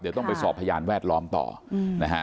เดี๋ยวต้องไปสอบพยานแวดล้อมต่อนะฮะ